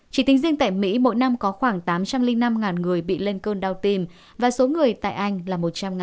chỉ tính riêng tại mỹ mỗi năm có khoảng tám trăm linh năm người bị lên cơn đau tim và số người tại anh là một trăm năm mươi